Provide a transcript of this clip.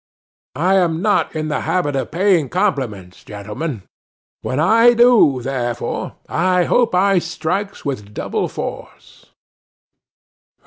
I am not in the habit of paying compliments, gentlemen; when I do, therefore, I hope I strikes with double force.